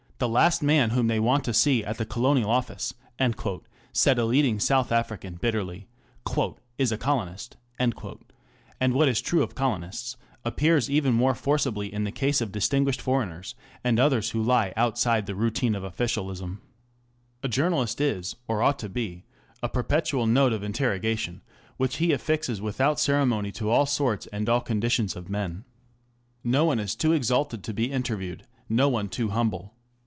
The last man whom they want to see at the Colonial Office/' said a leading South African bitterly, " is a Digitized by Google GOVERNMENT BY JOURNALISM. 669 colonist ;" and what is true of colonists appears even more forcibly in the case of distinguished foreigners and others who lie outside the routine of officialism. A journalist is, or ought to be, a perpetual note of interrogation, which he affixes without ceremony to all sorts and conditions of men. No one is too exalted to be interviewed, no one too humble.